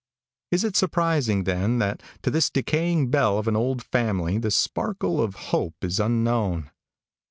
Is it surprising, then, that to this decaying belle of an old family the sparkle of hope is unknown?